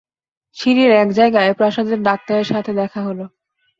সিঁড়ির এক জায়গায়, প্রাসাদের ডাক্তারের সাথে দেখা হল।